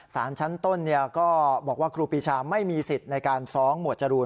สารชั้นต้นก็บอกว่าครูปีชาไม่มีสิทธิ์ในการฟ้องหมวดจรูน